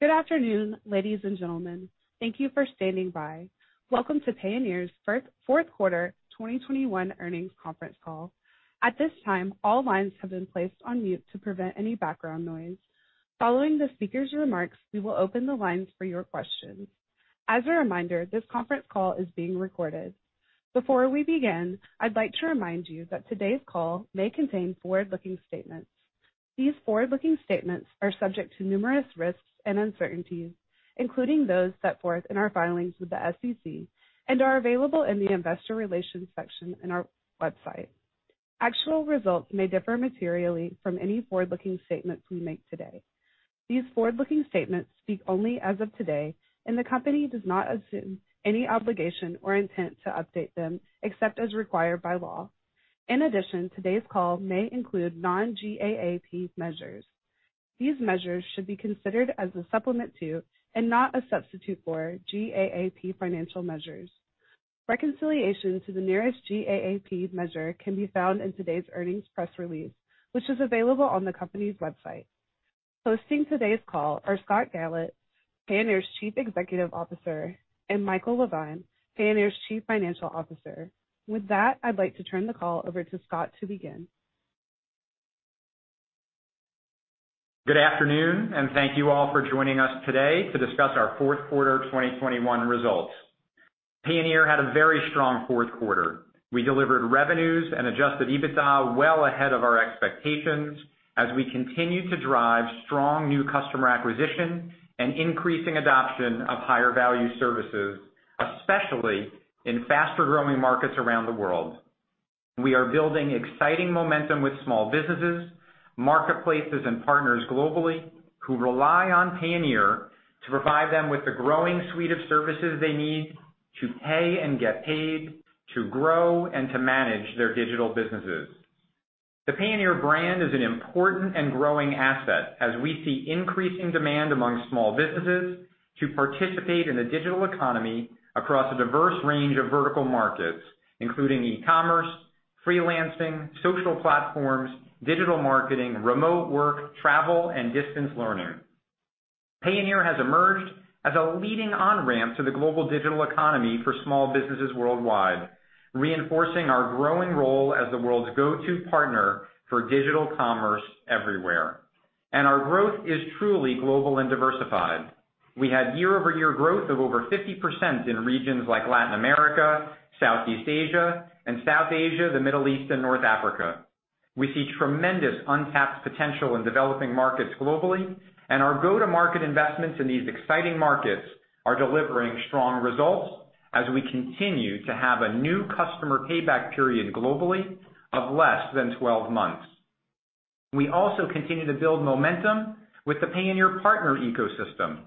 Good afternoon, ladies and gentlemen. Thank you for standing by. Welcome to Payoneer’s fourth quarter 2021 earnings conference call. At this time, all lines have been placed on mute to prevent any background noise. Following the speaker’s remarks, we will open the lines for your questions. As a reminder, this conference call is being recorded. Before we begin, I’d like to remind you that today’s call may contain forward-looking statements. These forward-looking statements are subject to numerous risks and uncertainties, including those set forth in our filings with the SEC, and are available in the Investor Relations section in our website. Actual results may differ materially from any forward-looking statements we make today. These forward-looking statements speak only as of today, and the company does not assume any obligation or intent to update them except as required by law. In addition, today’s call may include Non-GAAP measures. These measures should be considered as a supplement to, and not a substitute for, GAAP financial measures. Reconciliation to the nearest GAAP measure can be found in today's earnings press release, which is available on the company's website. Hosting today's call are Scott Galit, Payoneer's Chief Executive Officer, and Michael Levine, Payoneer's Chief Financial Officer. With that, I'd like to turn the call over to Scott to begin. Good afternoon, and thank you all for joining us today to discuss our fourth quarter 2021 results. Payoneer had a very strong fourth quarter. We delivered revenues and Adjusted EBITDA well ahead of our expectations as we continued to drive strong new customer acquisition and increasing adoption of higher value services, especially in faster-growing markets around the world. We are building exciting momentum with small businesses, marketplaces, and partners globally who rely on Payoneer to provide them with the growing suite of services they need to pay and get paid, to grow and to manage their digital businesses. The Payoneer brand is an important and growing asset as we see increasing demand among small businesses to participate in the digital economy across a diverse range of vertical markets, including e-commerce, freelancing, social platforms, digital marketing, remote work, travel, and distance learning. Payoneer has emerged as a leading on-ramp to the global digital economy for small businesses worldwide, reinforcing our growing role as the world's go-to partner for digital commerce everywhere. Our growth is truly global and diversified. We had year-over-year growth of over 50% in regions like Latin America, Southeast Asia and South Asia, the Middle East and North Africa. We see tremendous untapped potential in developing markets globally, and our go-to-market investments in these exciting markets are delivering strong results as we continue to have a new customer payback period globally of >12 months. We also continue to build momentum with the Payoneer partner ecosystem.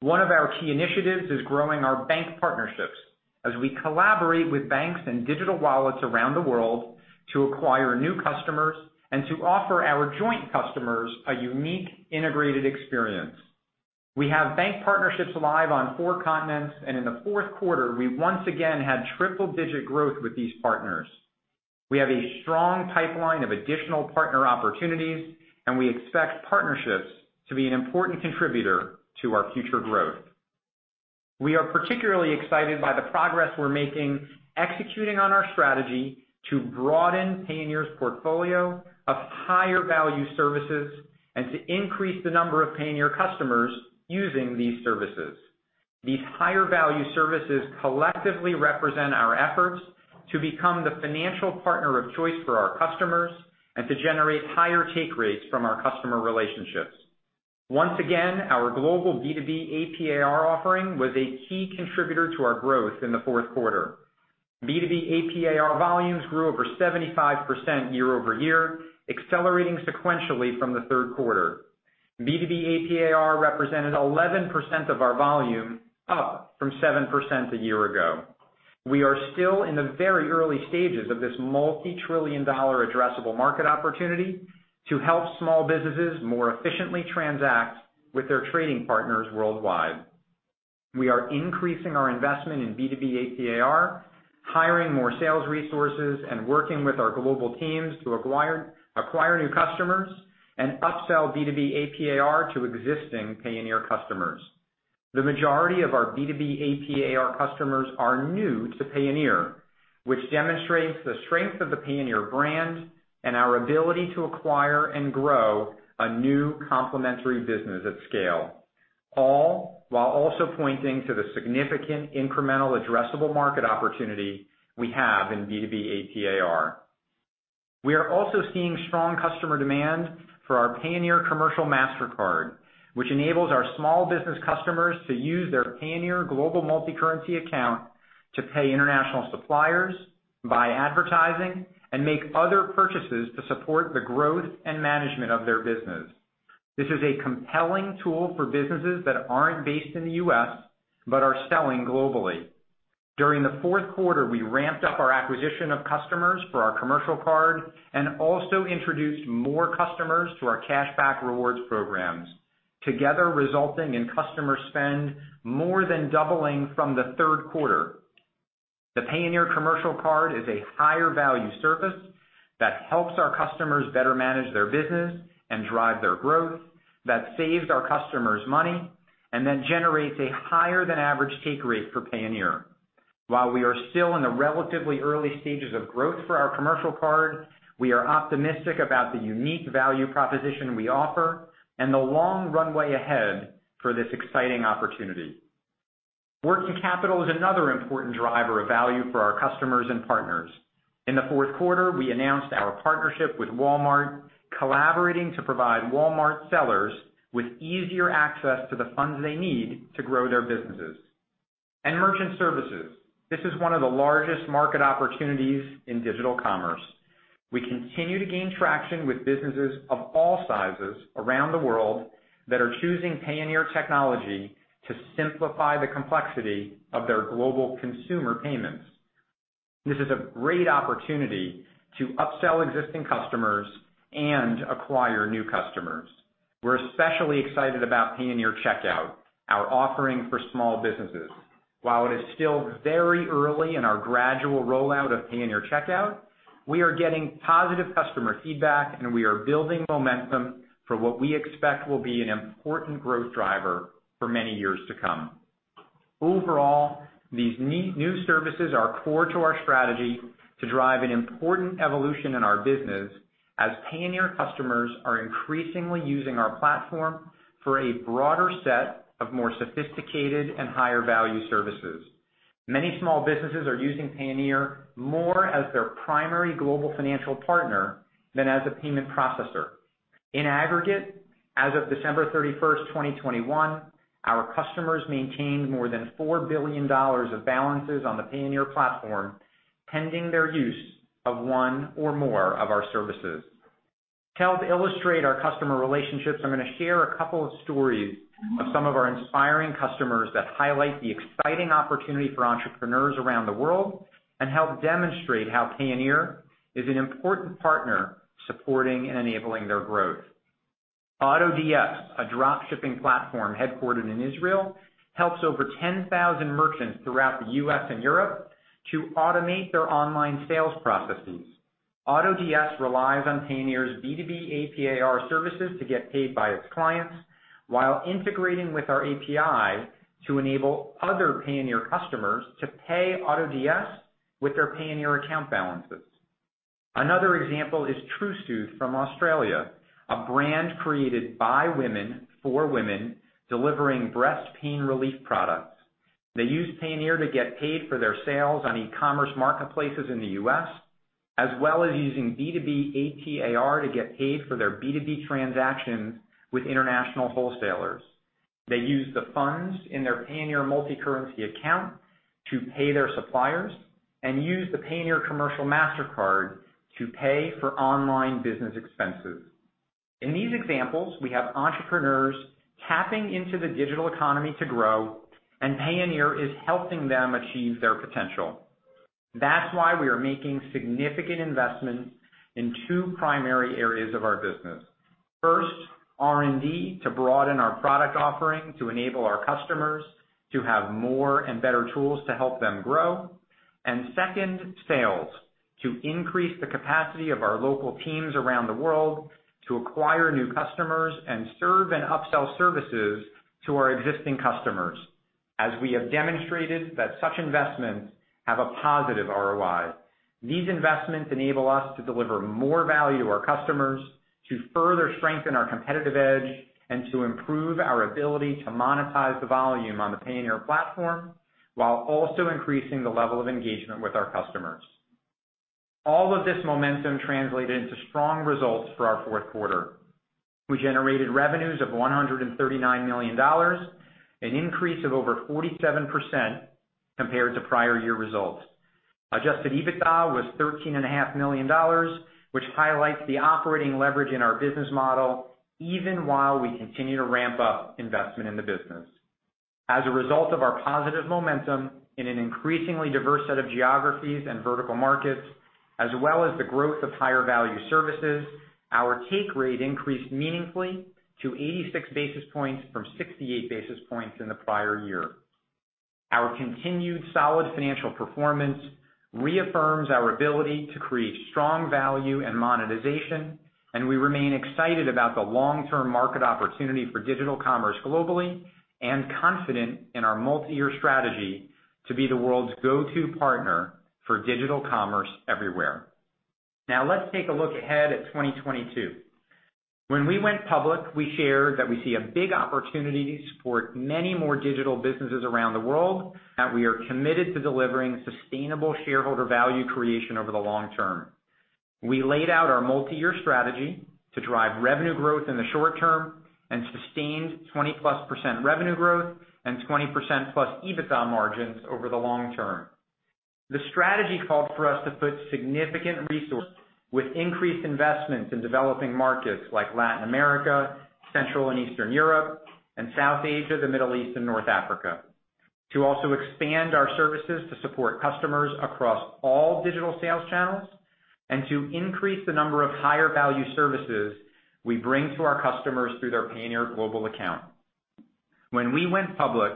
One of our key initiatives is growing our bank partnerships as we collaborate with banks and digital wallets around the world to acquire new customers and to offer our joint customers a unique integrated experience. We have bank partnerships live on four continents, and in the fourth quarter we once again had triple-digit growth with these partners. We have a strong pipeline of additional partner opportunities, and we expect partnerships to be an important contributor to our future growth. We are particularly excited by the progress we're making executing on our strategy to broaden Payoneer's portfolio of higher value services and to increase the number of Payoneer customers using these services. These higher value services collectively represent our efforts to become the financial partner of choice for our customers and to generate higher take rates from our customer relationships. Once again, our global B2B AP/AR offering was a key contributor to our growth in the fourth quarter. B2B AP/AR volumes grew over 75% year-over-year, accelerating sequentially from the third quarter. B2B AP/AR represented 11% of our volume, up from 7% a year ago. We are still in the very early stages of this multi-trillion dollar addressable market opportunity to help small businesses more efficiently transact with their trading partners worldwide. We are increasing our investment in B2B AP/AR, hiring more sales resources, and working with our global teams to acquire new customers and upsell B2B AP/AR to existing Payoneer customers. The majority of our B2B AP/AR customers are new to Payoneer, which demonstrates the strength of the Payoneer brand and our ability to acquire and grow a new complementary business at scale, all while also pointing to the significant incremental addressable market opportunity we have in B2B AP/AR. We are also seeing strong customer demand for our Payoneer Commercial Mastercard, which enables our small business customers to use their Payoneer global multicurrency account to pay international suppliers, buy advertising, and make other purchases to support the growth and management of their business. This is a compelling tool for businesses that aren't based in the U.S., but are selling globally. During the fourth quarter, we ramped up our acquisition of customers for our commercial card and also introduced more customers to our cashback rewards programs, together resulting in customer spend more than doubling from the third quarter. The Payoneer Commercial Card is a higher value service that helps our customers better manage their business and drive their growth, that saves our customers money, and then generates a higher than average take rate for Payoneer. While we are still in the relatively early stages of growth for our commercial card, we are optimistic about the unique value proposition we offer and the long runway ahead for this exciting opportunity. Working Capital is another important driver of value for our customers and partners. In the fourth quarter, we announced our partnership with Walmart, collaborating to provide Walmart sellers with easier access to the funds they need to grow their businesses. Merchant Services. This is one of the largest market opportunities in digital commerce. We continue to gain traction with businesses of all sizes around the world that are choosing Payoneer technology to simplify the complexity of their global consumer payments. This is a great opportunity to upsell existing customers and acquire new customers. We're especially excited about Payoneer Checkout, our offering for small businesses. While it is still very early in our gradual rollout of Payoneer Checkout, we are getting positive customer feedback, and we are building momentum for what we expect will be an important growth driver for many years to come. Overall, these new services are core to our strategy to drive an important evolution in our business as Payoneer customers are increasingly using our platform for a broader set of more sophisticated and higher value services. Many small businesses are using Payoneer more as their primary global financial partner than as a payment processor. In aggregate, as of December 31, 2021, our customers maintained more than $4 billion of balances on the Payoneer platform pending their use of one or more of our services. To help illustrate our customer relationships, I'm gonna share a couple of stories of some of our inspiring customers that highlight the exciting opportunity for entrepreneurs around the world and help demonstrate how Payoneer is an important partner supporting and enabling their growth. AutoDS, a dropshipping platform headquartered in Israel, helps over 10,000 merchants throughout the U.S. and Europe to automate their online sales processes. AutoDS relies on Payoneer's B2B AP/AR services to get paid by its clients while integrating with our API to enable other Payoneer customers to pay AutoDS with their Payoneer account balances. Another example is TruSoothe from Australia, a brand created by women for women delivering breast pain relief products. They use Payoneer to get paid for their sales on e-commerce marketplaces in the U.S., as well as using B2B AP/AR to get paid for their B2B transactions with international wholesalers. They use the funds in their Payoneer multicurrency account to pay their suppliers and use the Payoneer Commercial Mastercard to pay for online business expenses. In these examples, we have entrepreneurs tapping into the digital economy to grow, and Payoneer is helping them achieve their potential. That's why we are making significant investments in two primary areas of our business. First, R&D, to broaden our product offering to enable our customers to have more and better tools to help them grow. Second, sales, to increase the capacity of our local teams around the world to acquire new customers and serve and upsell services to our existing customers as we have demonstrated that such investments have a positive ROI. These investments enable us to deliver more value to our customers, to further strengthen our competitive edge, and to improve our ability to monetize the volume on the Payoneer platform, while also increasing the level of engagement with our customers. All of this momentum translated into strong results for our fourth quarter. We generated revenues of $139 million, an increase of over 47% compared to prior year results. Adjusted EBITDA was $13.5 million, which highlights the operating leverage in our business model even while we continue to ramp up investment in the business. As a result of our positive momentum in an increasingly diverse set of geographies and vertical markets, as well as the growth of higher value services, our take rate increased meaningfully to 86 basis points from 68 basis points in the prior year. Our continued solid financial performance reaffirms our ability to create strong value and monetization, and we remain excited about the long-term market opportunity for digital commerce globally and confident in our multiyear strategy to be the world's go-to partner for digital commerce everywhere. Now let's take a look ahead at 2022. When we went public, we shared that we see a big opportunity to support many more digital businesses around the world, that we are committed to delivering sustainable shareholder value creation over the long term. We laid out our multiyear strategy to drive revenue growth in the short term and sustained 20%+ revenue growth and 20%+ EBITDA margins over the long term. The strategy called for us to put significant resources with increased investments in developing markets like Latin America, Central and Eastern Europe, and South Asia, the Middle East and North Africa, to also expand our services to support customers across all digital sales channels and to increase the number of higher value services we bring to our customers through their Payoneer global account. When we went public,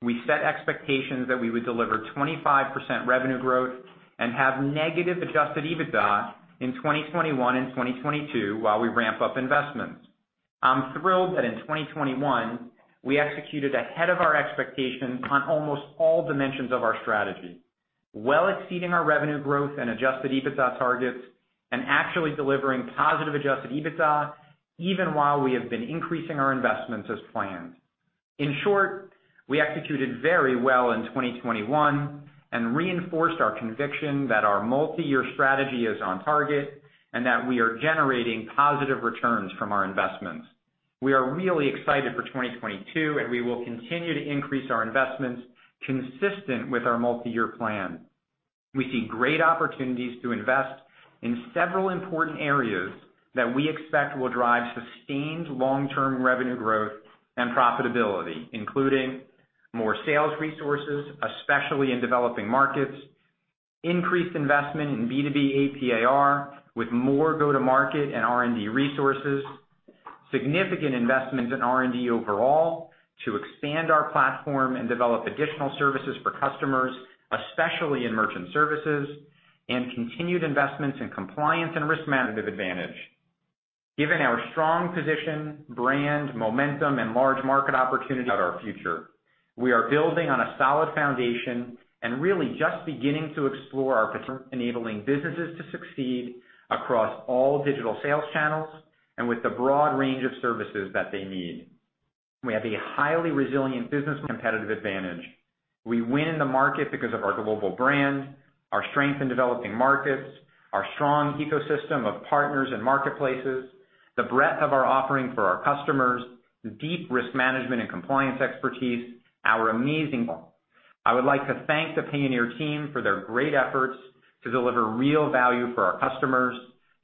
we set expectations that we would deliver 25% revenue growth and have negative Adjusted EBITDA in 2021 and 2022 while we ramp up investments. I'm thrilled that in 2021, we executed ahead of our expectations on almost all dimensions of our strategy, well exceeding our revenue growth and Adjusted EBITDA targets, and actually delivering positive Adjusted EBITDA even while we have been increasing our investments as planned. In short, we executed very well in 2021 and reinforced our conviction that our multi-year strategy is on target and that we are generating positive returns from our investments. We are really excited for 2022, and we will continue to increase our investments consistent with our multi-year plan. We see great opportunities to invest in several important areas that we expect will drive sustained long-term revenue growth and profitability, including more sales resources, especially in developing markets, increased investment in B2B AP/AR with more go-to-market and R&D resources, significant investments in R&D overall to expand our platform and develop additional services for customers, especially in Merchant Services, and continued investments in compliance and risk management advantage. Given our strong position, brand, momentum, and large market opportunity in our future, we are building on a solid foundation and really just beginning to explore our potential, enabling businesses to succeed across all digital sales channels and with the broad range of services that they need. We have a highly resilient business competitive advantage. We win in the market because of our global brand, our strength in developing markets, our strong ecosystem of partners and marketplaces, the breadth of our offering for our customers, the deep risk management and compliance expertise, our amazing team. I would like to thank the Payoneer team for their great efforts to deliver real value for our customers,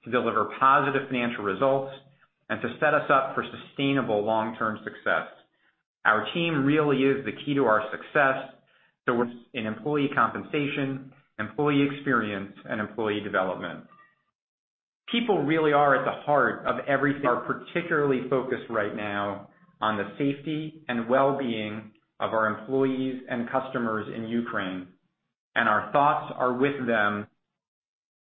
to deliver positive financial results, and to set us up for sustainable long-term success. Our team really is the key to our success, so in employee compensation, employee experience, and employee development. People really are at the heart of everything. We are particularly focused right now on the safety and well-being of our employees and customers in Ukraine, and our thoughts are with them.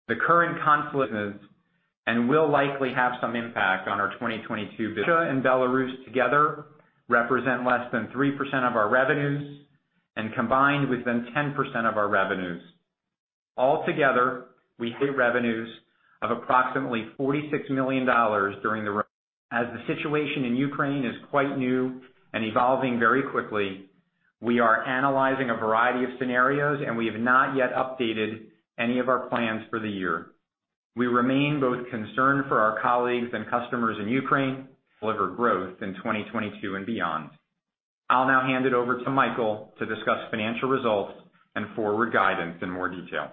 The current conflict will likely have some impact on our 2022 business. Russia and Belarus together represent less than 3% of our revenues, and combined with Ukraine, 10% of our revenues. Altogether, we hit revenues of approximately $46 million during the year. As the situation in Ukraine is quite new and evolving very quickly, we are analyzing a variety of scenarios, and we have not yet updated any of our plans for the year. We remain both concerned for our colleagues and customers in Ukraine and committed to deliver growth in 2022 and beyond. I'll now hand it over to Michael to discuss financial results and forward guidance in more detail.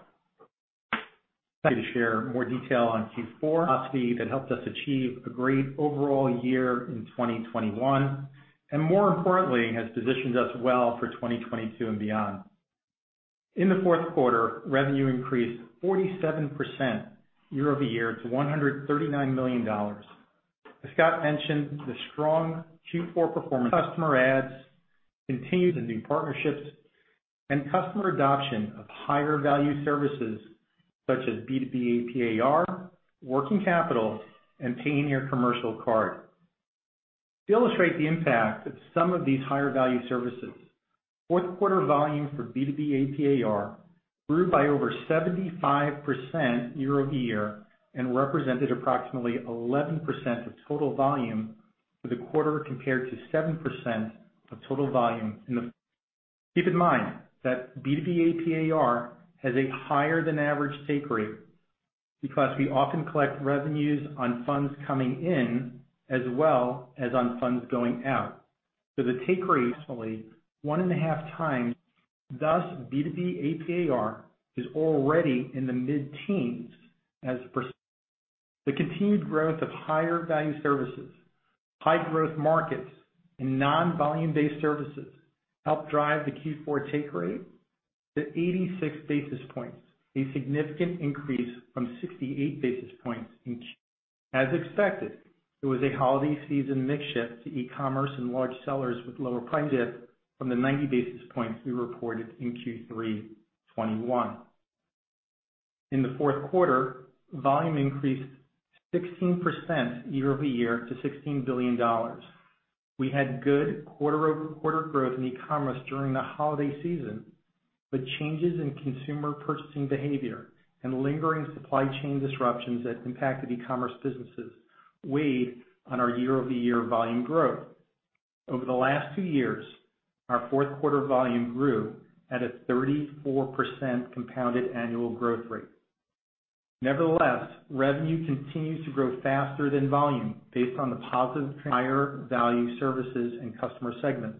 To share more detail on Q4. That helped us achieve a great overall year in 2021, and more importantly, has positioned us well for 2022 and beyond. In the fourth quarter, revenue increased 47% year-over-year to $139 million. As Scott mentioned, the strong Q4 performance. Customer adds continued the new partnerships and customer adoption of higher value services such as B2B AP/AR, Working Capital, and Payoneer Commercial Card. To illustrate the impact of some of these higher value services, fourth quarter volume for B2B AP/AR grew by over 75% year-over-year and represented approximately 11% of total volume for the quarter compared to 7% of total volume in the. Keep in mind that B2B AP/AR has a higher than average take rate because we often collect revenues on funds coming in as well as on funds going out. The take rate is usually 1.5x. Thus, B2B AP/AR is already in the mid-teens%. The continued growth of higher value services, high growth markets, and non-volume-based services helped drive the Q4 take rate to 86 basis points, a significant increase from 68 basis points in Q3. As expected, it was a holiday season mix shift to e-commerce and large sellers with lower price dip from the 90 basis points we reported in Q3 2021. In the fourth quarter, volume increased 16% year-over-year to $16 billion. We had good quarter-over-quarter growth in e-commerce during the holiday season, but changes in consumer purchasing behavior and lingering supply chain disruptions that impacted e-commerce businesses weighed on our year-over-year volume growth. Over the last two years, our fourth quarter volume grew at a 34% compounded annual growth rate. Nevertheless, revenue continues to grow faster than volume based on the positive higher value services and customer segments.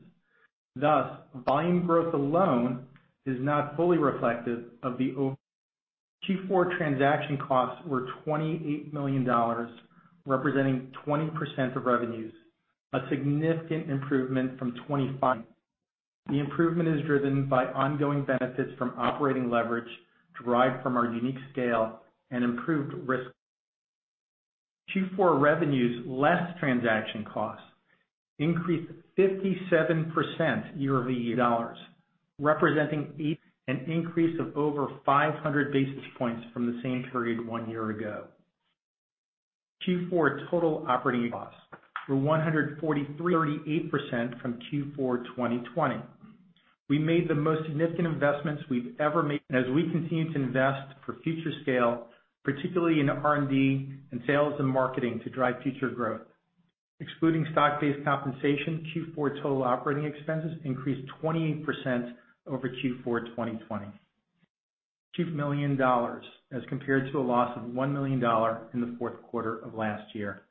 Thus, volume growth alone is not fully reflective of the overall. Q4 transaction costs were $28 million, representing 20% of revenues, a significant improvement from 25%. The improvement is driven by ongoing benefits from operating leverage derived from our unique scale and improved risk. Q4 revenues less transaction costs increased 57% year-over-year, representing an increase of over 500 basis points from the same period one year ago. Q4 total operating loss decreased 143% from Q4 2020. We made the most significant investments we've ever made. We continue to invest for future scale, particularly in R&D and sales and marketing to drive future growth. Excluding stock-based compensation, Q4 total operating expenses increased 28% over Q4 2020. $2 million as compared to a loss of $1 million in the fourth quarter of last year.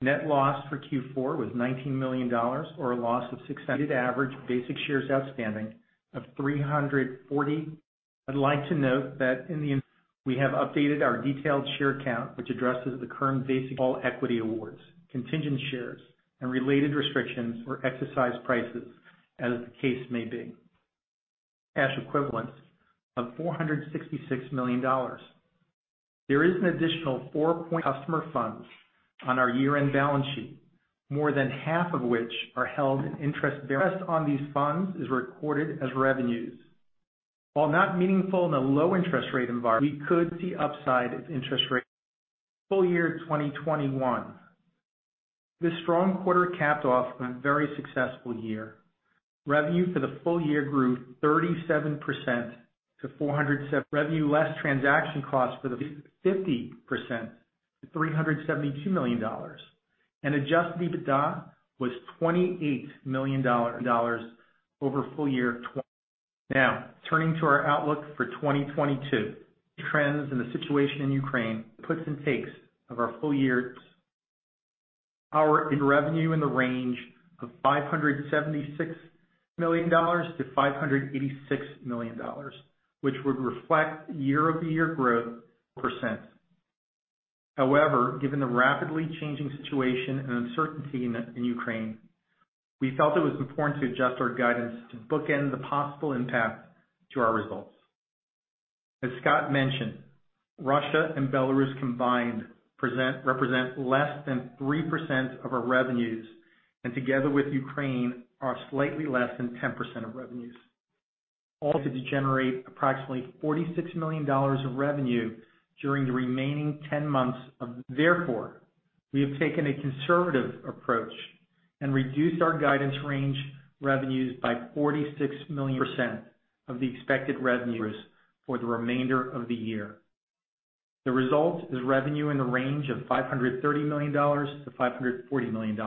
Net loss for Q4 was $19 million or a loss of $0.06 per weighted average basic share outstanding of 340 million. I'd like to note that we have updated our detailed share count, which addresses the current basic and all equity awards, contingent shares, and related restrictions or exercise prices as the case may be. Cash equivalents of $466 million. There is an additional $4 billion customer funds on our year-end balance sheet, more than half of which are held in interest-bearing accounts. Interest on these funds is recorded as revenues. While not meaningful in a low interest rate environment, we could see upside if interest rates rise. Full year 2021. This strong quarter capped off a very successful year. Revenue for the full year grew 37% to $407 million. Revenue less transaction costs for the full year grew 50% to $372 million, and Adjusted EBITDA was $28 million. Now, turning to our outlook for 2022. Our revenue in the range of $576 million-$586 million, which would reflect year-over-year growth. However, given the rapidly changing situation and uncertainty in Ukraine, we felt it was important to adjust our guidance to bookend the possible impact to our results. As Scott mentioned, Russia and Belarus combined represent less than 3% of our revenues, and together with Ukraine, are slightly less than 10% of revenues. All to generate approximately $46 million of revenue during the remaining 10 months. We have taken a conservative approach and reduced our guidance range revenues by $46 million of the expected revenues for the remainder of the year. The result is revenue in the range of $530 million-$540 million,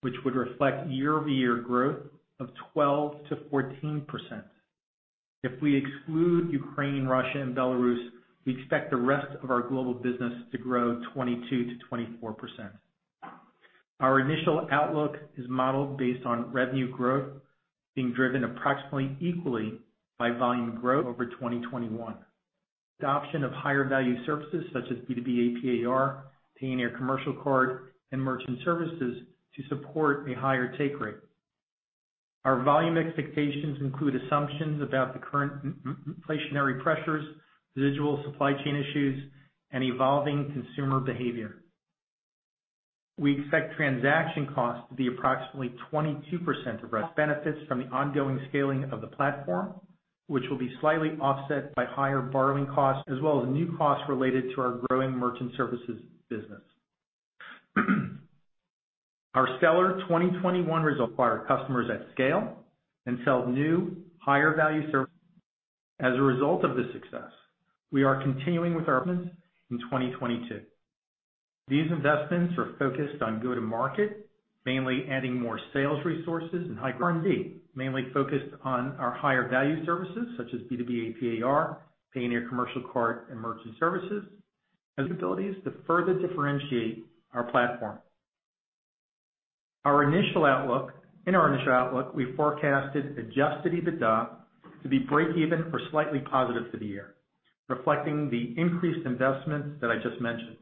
which would reflect year-over-year growth of 12%-14%. If we exclude Ukraine, Russia, and Belarus, we expect the rest of our global business to grow 22%-24%. Our initial outlook is modeled based on revenue growth being driven approximately equally by volume growth over 2021. Adoption of higher value services such as B2B AP/AR, Payoneer Commercial Card, and Merchant Services to support a higher take rate. Our volume expectations include assumptions about the current macro-inflationary pressures, residual supply chain issues, and evolving consumer behavior. We expect transaction costs to be approximately 22% of revenue. Benefits from the ongoing scaling of the platform, which will be slightly offset by higher borrowing costs as well as new costs related to our growing Merchant Services business. Our stellar 2021 results for our customers at scale and sell new higher value services. As a result of this success, we are continuing with our investments in 2022. These investments are focused on go-to-market, mainly adding more sales resources and R&D, mainly focused on our higher value services such as B2B AP/AR, Payoneer Commercial Card, and Merchant Services, and our ability to further differentiate our platform. In our initial outlook, we forecasted Adjusted EBITDA to be breakeven or slightly positive for the year, reflecting the increased investments that I just mentioned.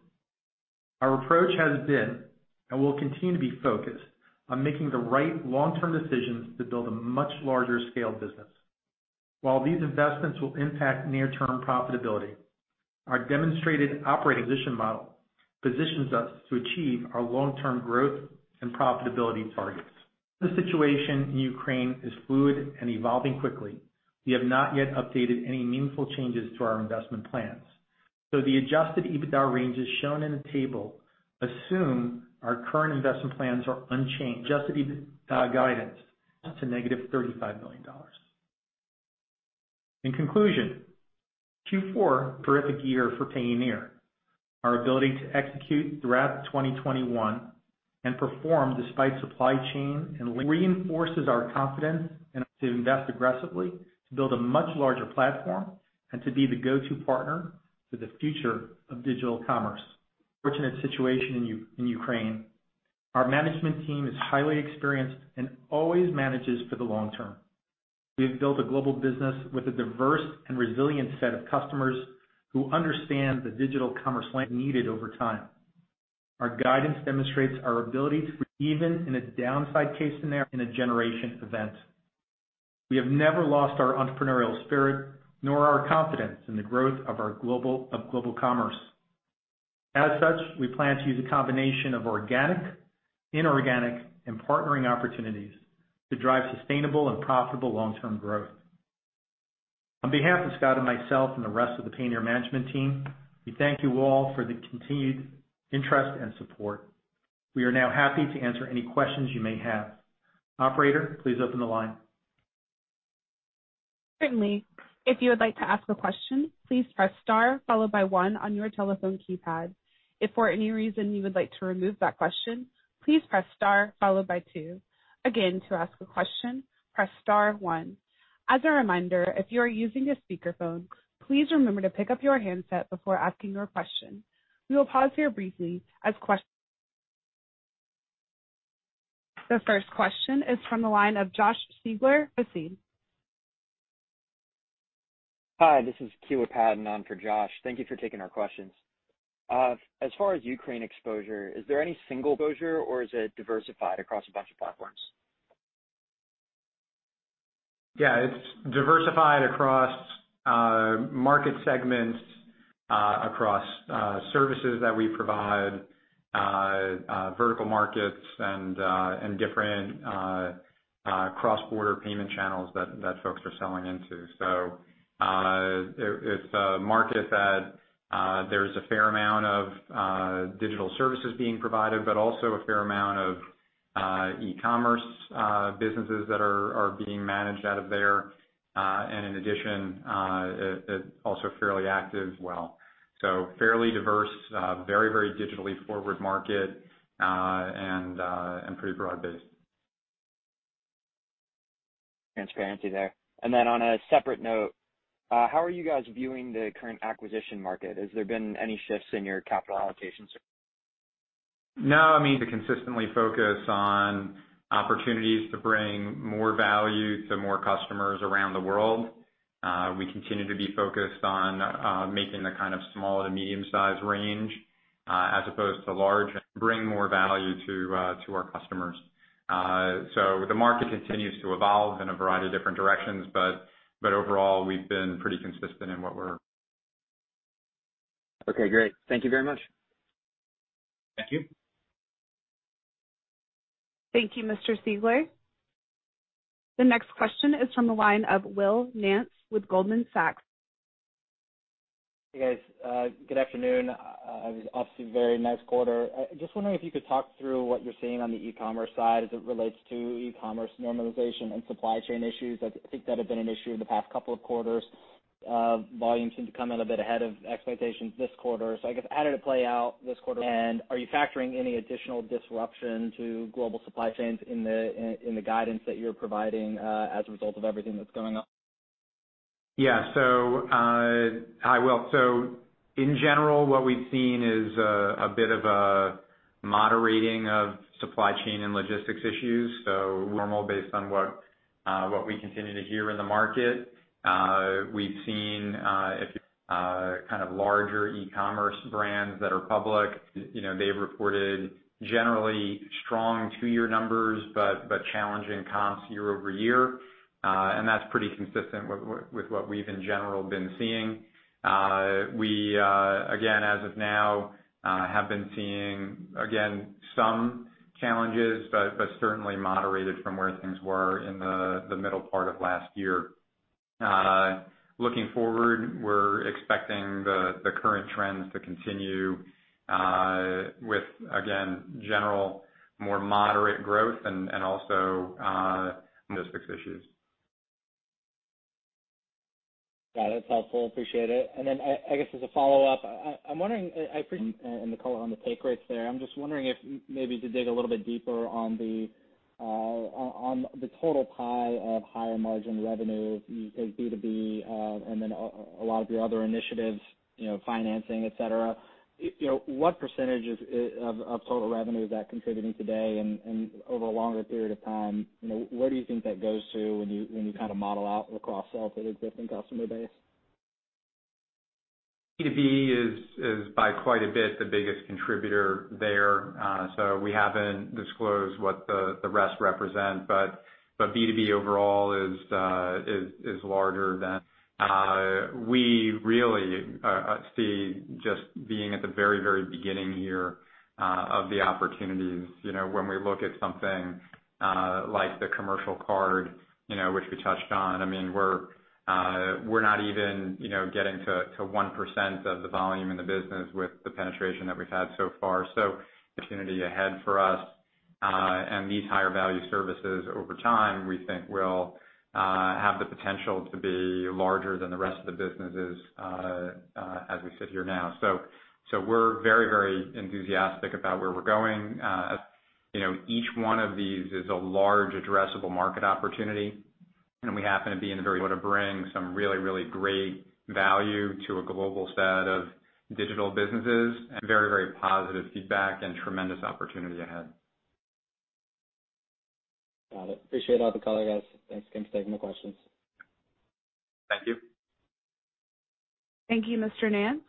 Our approach has been, and will continue to be focused on making the right long-term decisions to build a much larger scale business. While these investments will impact near-term profitability, our demonstrated operating position model positions us to achieve our long-term growth and profitability targets. The situation in Ukraine is fluid and evolving quickly. We have not yet updated any meaningful changes to our investment plans. The Adjusted EBITDA ranges shown in the table assume our current investment plans are unchanged. Adjusted EBITDA guidance to negative $35 million. In conclusion, Q4 terrific year for Payoneer. Our ability to execute throughout 2021 and perform despite supply chain reinforces our confidence to invest aggressively to build a much larger platform and to be the go-to partner for the future of digital commerce. Our fortunate situation in Ukraine. Our management team is highly experienced and always manages for the long term. We have built a global business with a diverse and resilient set of customers who understand the digital commerce needed over time. Our guidance demonstrates our ability to even in a downside case scenario in a generation event. We have never lost our entrepreneurial spirit nor our confidence in the growth of global commerce. As such, we plan to use a combination of organic, inorganic, and partnering opportunities to drive sustainable and profitable long-term growth. On behalf of Scott and myself and the rest of the Payoneer management team, we thank you all for the continued interest and support. We are now happy to answer any questions you may have. Operator, please open the line. The first question is from the line of Josh Siegler with Cantor Fitzgerald. Hi, this is Keith Padnon for Josh. Thank you for taking our questions. As far as Ukraine exposure, is there any single exposure or is it diversified across a bunch of platforms? Yeah, it's diversified across market segments, across services that we provide, vertical markets and different cross-border payment channels that folks are selling into. It's a market that there's a fair amount of digital services being provided, but also a fair amount of e-commerce businesses that are being managed out of there. In addition, it's also fairly active, well. Fairly diverse, very, very digitally forward market, and pretty broad-based. Transparency there. On a separate note, how are you guys viewing the current acquisition market? Has there been any shifts in your capital allocation? No, I mean, to consistently focus on opportunities to bring more value to more customers around the world, we continue to be focused on making the kind of small to medium size range, as opposed to large, bring more value to our customers. The market continues to evolve in a variety of different directions. Overall, we've been pretty consistent in what we're. Okay, great. Thank you very much. Thank you. Thank you, Mr. Siegler. The next question is from the line of Will Nance with Goldman Sachs. Hey, guys. Good afternoon. Obviously very nice quarter. Just wondering if you could talk through what you're seeing on the e-commerce side as it relates to e-commerce normalization and supply chain issues. I think that had been an issue in the past couple of quarters. Volume seemed to come in a bit ahead of expectations this quarter. I guess how did it play out this quarter, and are you factoring any additional disruption to global supply chains in the guidance that you're providing as a result of everything that's going on? Hi, Will. In general, what we've seen is a bit of a moderating of supply chain and logistics issues, so normal based on what we continue to hear in the market. We've seen kind of larger e-commerce brands that are public, you know, they've reported generally strong two-year numbers, but challenging comps year-over-year. That's pretty consistent with what we've in general been seeing. We again, as of now, have been seeing again some challenges, but certainly moderated from where things were in the middle part of last year. Looking forward, we're expecting the current trends to continue with again general more moderate growth and also logistics issues. Got it. That's helpful. Appreciate it. I guess, as a follow-up, I'm wondering. I appreciate the color on the take rates there. I'm just wondering if maybe to dig a little bit deeper on the total pie of higher margin revenue. You take B2B and then a lot of your other initiatives, you know, financing, et cetera. You know, what percentage of total revenue is that contributing today and over a longer period of time, you know, where do you think that goes to when you kind of model out the cross-sell to the existing customer base? B2B is by quite a bit the biggest contributor there. We haven't disclosed what the rest represent, but B2B overall is larger than. We really see just being at the very beginning here of the opportunities. You know, when we look at something like the Commercial Card, you know, which we touched on, I mean, we're not even, you know, getting to 1% of the volume in the business with the penetration that we've had so far. Opportunity ahead for us, and these higher value services over time, we think will have the potential to be larger than the rest of the businesses, as we sit here now. We're very enthusiastic about where we're going. You know, each one of these is a large addressable market opportunity, and we happen to be in a wanna bring some really great value to a global set of digital businesses and very positive feedback and tremendous opportunity ahead. Got it. Appreciate all the color, guys. Thanks again for taking the questions. Thank you. Thank you, Mr. Nance.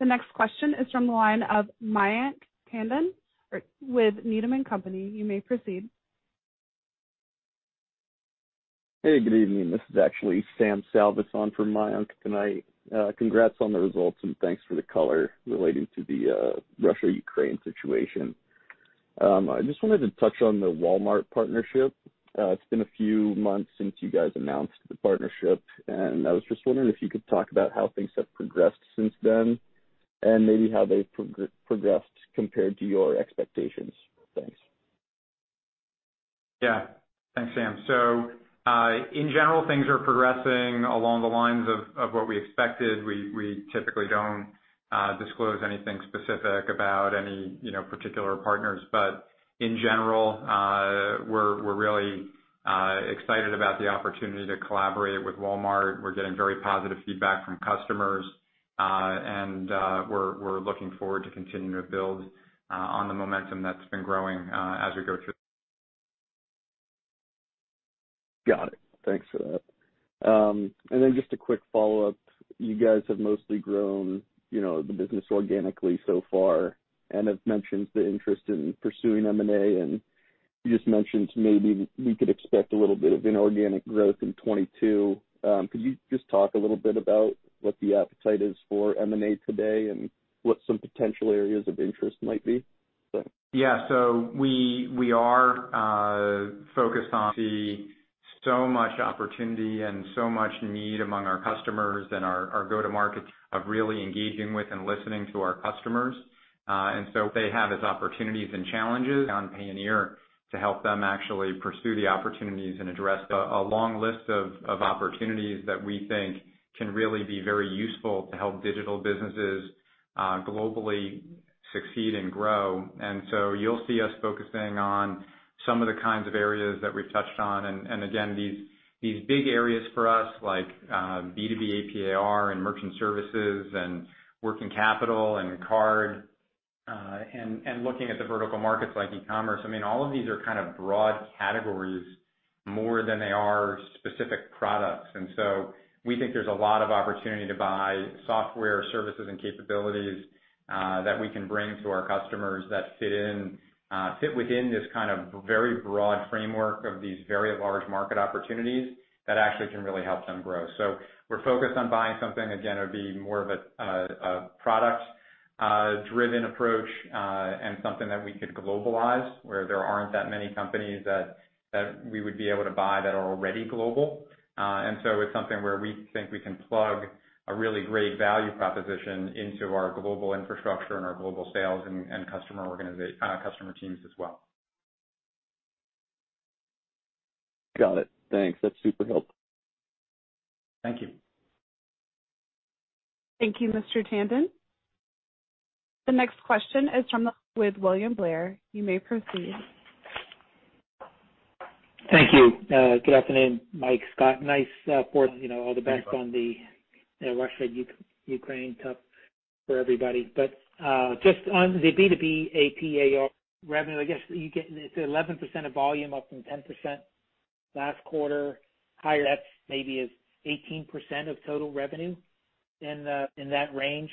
The next question is from the line of Mayank Tandon with Needham & Company. You may proceed. Hey, good evening. This is actually Sam Salvas on for Mayank tonight. Congrats on the results and thanks for the color relating to the Russia/Ukraine situation. I just wanted to touch on the Walmart partnership. It's been a few months since you guys announced the partnership, and I was just wondering if you could talk about how things have progressed since then and maybe how they've progressed compared to your expectations. Thanks. Yeah. Thanks, Sam. In general, things are progressing along the lines of what we expected. We typically don't disclose anything specific about any particular partners. You know, in general, we're really excited about the opportunity to collaborate with Walmart. We're getting very positive feedback from customers, and we're looking forward to continuing to build on the momentum that's been growing as we go through. Got it. Thanks for that. Just a quick follow-up. You guys have mostly grown, you know, the business organically so far and have mentioned the interest in pursuing M&A, and you just mentioned maybe we could expect a little bit of inorganic growth in 2022. Could you just talk a little bit about what the appetite is for M&A today and what some potential areas of interest might be? Yeah. We are focused on the so much opportunity and so much need among our customers and our go-to-market of really engaging with and listening to our customers. They have opportunities and challenges on Payoneer to help them actually pursue the opportunities and address a long list of opportunities that we think can really be very useful to help digital businesses globally succeed and grow. You'll see us focusing on some of the kinds of areas that we've touched on. Again, these big areas for us like B2B AP/AR and Merchant Services and Working Capital and card and looking at the vertical markets like e-commerce. I mean, all of these are kind of broad categories more than they are specific products. We think there's a lot of opportunity to buy software, services and capabilities that we can bring to our customers that fit within this kind of very broad framework of these very large market opportunities that actually can really help them grow. We're focused on buying something, again, it would be more of a product driven approach, and something that we could globalize where there aren't that many companies that we would be able to buy that are already global. It's something where we think we can plug a really great value proposition into our global infrastructure and our global sales and customer teams as well. Got it. Thanks. That's super helpful. Thank you. Thank you, Mr. Tandon. The next question is with William Blair. You may proceed. Thank you. Good afternoon, Mike, Scott. Nice fourth, you know, all the best on the, you know, Russia-Ukraine. Tough for everybody. Just on the B2B AP/AR revenue, I guess you get it's 11% of volume up from 10% last quarter. Higher ups maybe is 18% of total revenue in that range.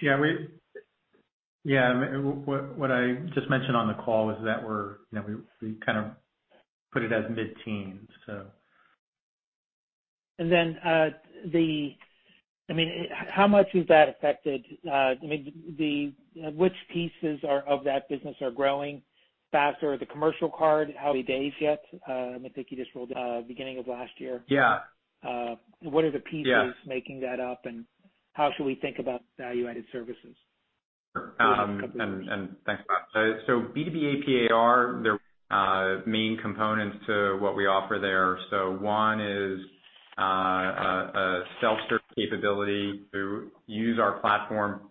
What I just mentioned on the call was that we're, you know, we kind of put it as mid-teens, so. I mean, how much has that affected? I mean, which pieces of that business are growing faster? The Commercial Card, how many days yet? I think you just rolled beginning of last year. Yeah. What are the pieces making that up, and how should we think about value-added services? Thanks. There are main components to what we offer there. One is a self-serve capability for their customers to use our platform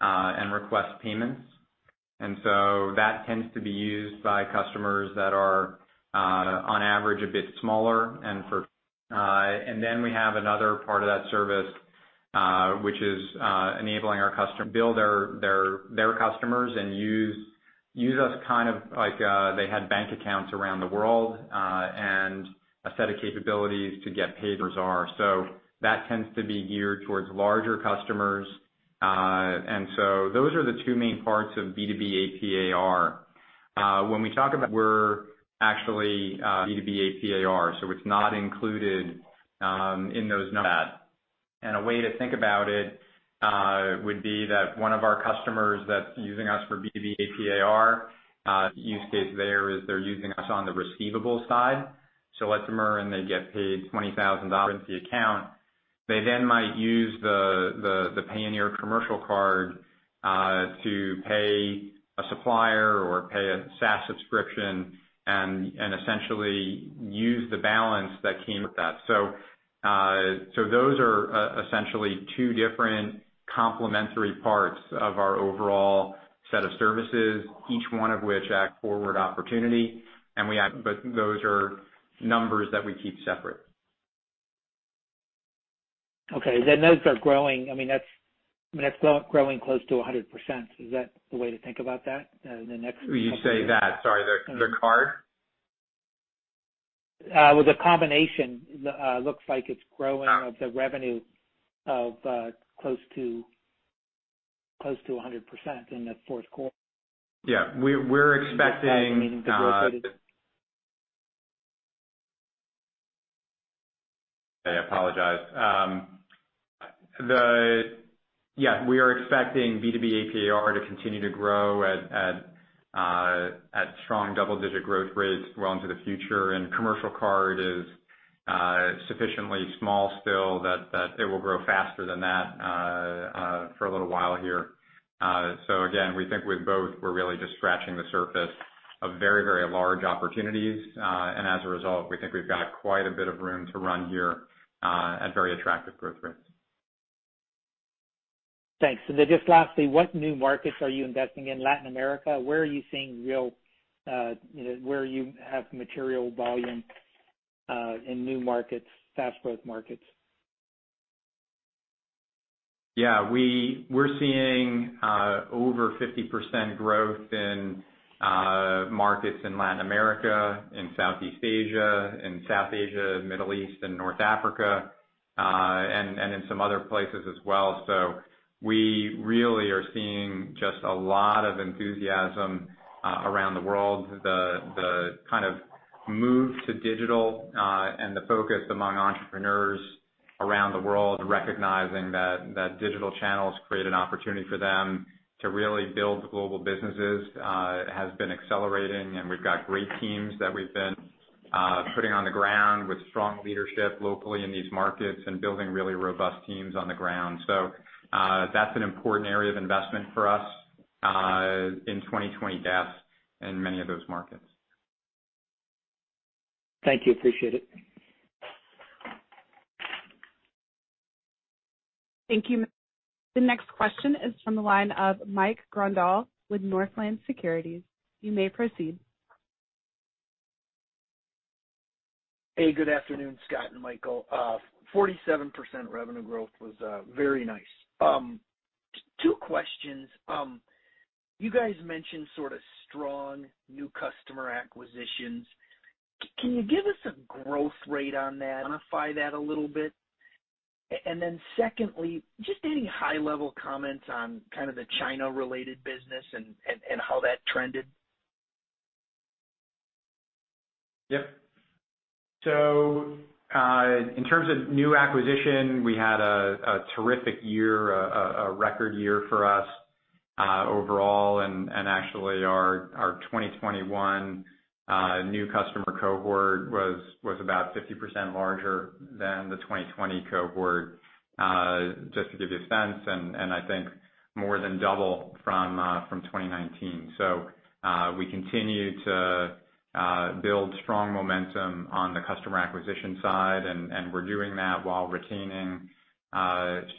and request payments. That tends to be used by customers that are on average a bit smaller. We have another part of that service which is enabling our customers to bill their customers and use us kind of like they had bank accounts around the world and a set of capabilities to get paid. That tends to be geared towards larger customers. Those are the two main parts of B2B AP/AR. When we talk about B2B AP/AR, it's not included in those numbers. A way to think about it would be that one of our customers that's using us for B2B AP/AR use case there is they're using us on the receivable side. They get paid $20,000 into the account. They then might use the Payoneer Commercial Card to pay a supplier or pay a SaaS subscription and essentially use the balance that came with that. Those are essentially two different complementary parts of our overall set of services, each one of which act forward opportunity. But those are numbers that we keep separate. Okay. Those are growing. I mean, that's growing close to 100%. Is that the way to think about that? The next- You say that. Sorry. The card? With a combination, looks like its growth of the revenue of close to 100% in the fourth quarter. We're expecting B2B AP/AR to continue to grow at strong double-digit growth rates well into the future. Commercial Card is sufficiently small still that it will grow faster than that for a little while here. We think with both we're really just scratching the surface of very large opportunities. As a result, we think we've got quite a bit of room to run here at very attractive growth rates. Thanks. Just lastly, what new markets are you investing in Latin America? Where are you seeing real material volume in new markets, fast growth markets? Yeah. We're seeing over 50% growth in markets in Latin America, in Southeast Asia, in South Asia, Middle East and North Africa, and in some other places as well. We really are seeing just a lot of enthusiasm around the world. The kind of move to digital and the focus among entrepreneurs around the world, recognizing that digital channels create an opportunity for them to really build global businesses, has been accelerating. We've got great teams that we've been putting on the ground with strong leadership locally in these markets and building really robust teams on the ground. That's an important area of investment for us in the 2020s in many of those markets. Thank you. Appreciate it. Thank you. The next question is from the line of Mike Grondahl with Northland Securities. You may proceed. Hey, good afternoon, Scott and Michael. 47% revenue growth was very nice. Two questions. You guys mentioned sort of strong new customer acquisitions. Can you give us a growth rate on that, quantify that a little bit? And then secondly, just any high-level comments on kind of the China-related business and how that trended? Yep. In terms of new acquisition, we had a terrific year, a record year for us, overall. Actually our 2021 new customer cohort was about 50% larger than the 2020 cohort, just to give you a sense, and I think more than double from 2019. We continue to build strong momentum on the customer acquisition side, and we're doing that while retaining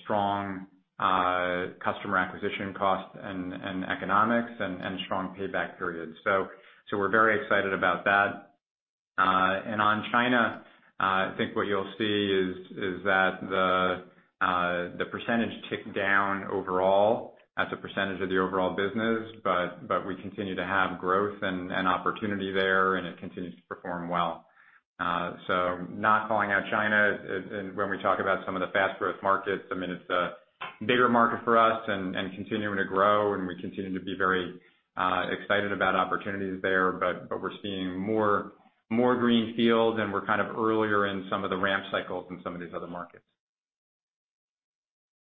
strong customer acquisition costs and economics and strong payback periods. We're very excited about that. On China, I think what you'll see is that the percentage ticked down overall as a percentage of the overall business, but we continue to have growth and opportunity there, and it continues to perform well. Not calling out China when we talk about some of the fast growth markets, I mean, it's a bigger market for us and continuing to grow, and we continue to be very excited about opportunities there. We're seeing more greenfield, and we're kind of earlier in some of the ramp cycles in some of these other markets.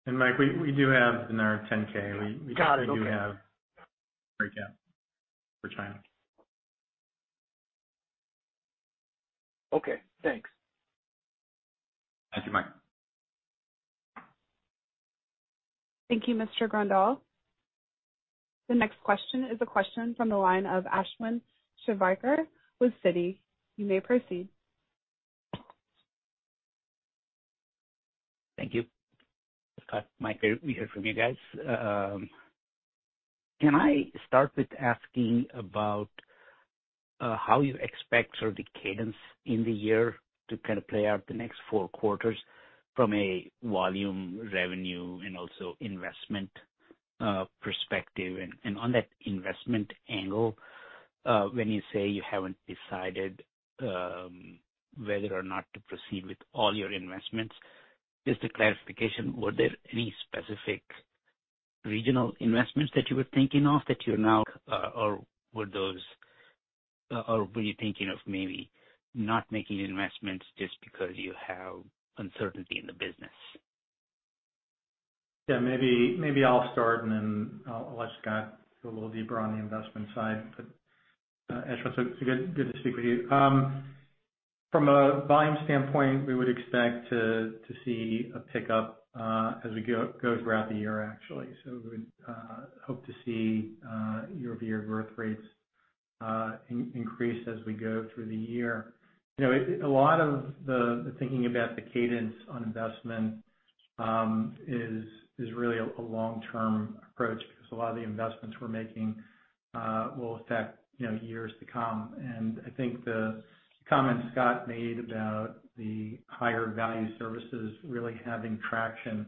Mike, we do have in our 10-K. Got it. Okay. We do have breakout for China. Okay, thanks. Thank you, Mike. Thank you, Mr. Grondahl. The next question is a question from the line of Ashwin Shirvaikar with Citi. You may proceed. Thank you. Scott, Mike, good to hear from you guys. Can I start with asking about how you expect sort of the cadence in the year to kind of play out the next four quarters from a volume revenue and also investment perspective? On that investment angle, when you say you haven't decided whether or not to proceed with all your investments, just a clarification, were there any specific regional investments that you were thinking of that you're now or were those or were you thinking of maybe not making investments just because you have uncertainty in the business? Maybe I'll start and then I'll let Scott go a little deeper on the investment side. Ashwin, good to speak with you. From a volume standpoint, we would expect to see a pickup as we go throughout the year, actually. We hope to see year-over-year growth rates increase as we go through the year. You know, a lot of the thinking about the cadence on investment is really a long-term approach because a lot of the investments we're making will affect years to come. I think the comments Scott made about the higher value services really having traction.